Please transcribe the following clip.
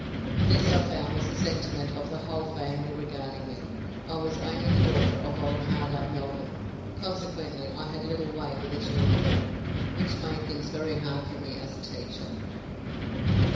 This I found was the sentiment of the whole family regarding me. I was only the daughter of old hard up Melvyn, consequently I had little weight with the children, which made things very hard for me as a teacher.